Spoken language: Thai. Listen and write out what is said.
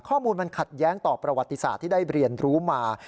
ข้อมูลมันขัดแย้งต่อประวัติศาสตร์ที่ได้เรียนรู้มา